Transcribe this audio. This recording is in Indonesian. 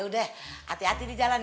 yaudah hati hati di jalan ya